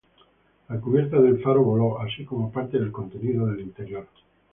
La cubierta del faro voló, así como parte del contenido del interior.